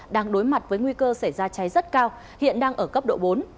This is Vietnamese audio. đang đối mặt với nguy cơ xảy ra cháy rất cao hiện đang ở cấp độ bốn